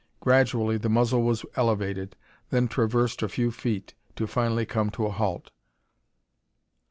Gradually the muzzle was elevated, then traversed a few feet, to finally come to a halt.